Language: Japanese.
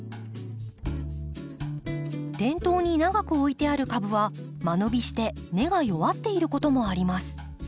店頭に長く置いてある株は間延びして根が弱っていることもあります。